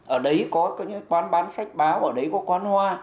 ở đấy có những quán bán sách báo ở đấy có quán hoa